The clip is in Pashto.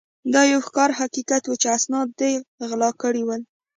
دا یو ښکاره حقیقت وو چې اسناد ده غلا کړي ول.